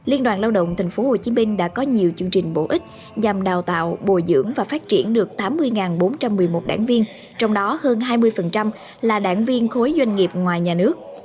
liên đoàn lao động tp hcm đã có nhiều chương trình bổ ích nhằm đào tạo bồi dưỡng và phát triển được tám mươi bốn trăm một mươi một đảng viên trong đó hơn hai mươi là đảng viên khối doanh nghiệp ngoài nhà nước